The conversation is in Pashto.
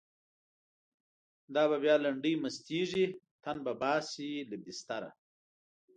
دا به بیا لنډۍ مستیږی، تن به باسی له بستره